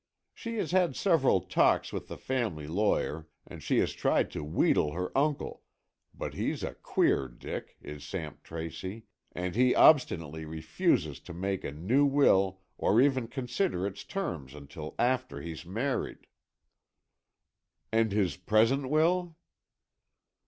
She has had several talks with the family lawyer, and she has tried to wheedle her uncle, but he's a queer dick, is Samp Tracy, and he obstinately refuses to make a new will or even consider its terms until after he's married." "And his present will?"